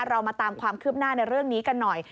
เรามาตามความคืบหน้าในเรื่องนี้กันหน่อย